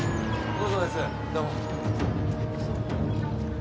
どうも。